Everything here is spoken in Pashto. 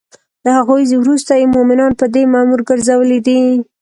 له هغوی وروسته یی مومنان په دی مامور ګرځولی دی